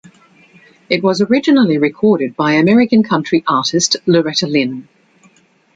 It was originally recorded by American country artist Loretta Lynn.